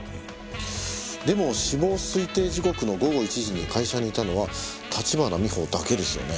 でも死亡推定時刻の午後１時に会社にいたのは立花美穂だけですよね。